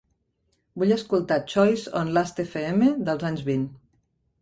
Vull escoltar Choice on Last Fm dels anys vint.